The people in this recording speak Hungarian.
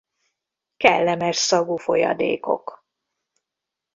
Kellemes szagú folyadékok.